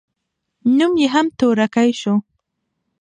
نوم يې هم تورکى سو.